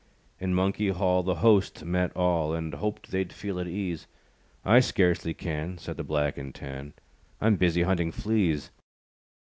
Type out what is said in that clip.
In Monkey Hall, The host met all, And hoped they'd feel at ease, "I scarcely can," Said the Black and Tan, "I'm busy hunting fleas."